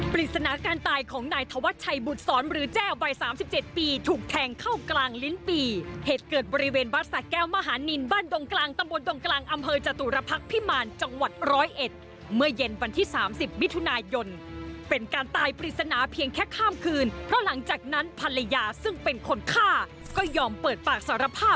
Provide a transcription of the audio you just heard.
ไปเจาะลึกประเด็นร้อนจากรายงานค่ะ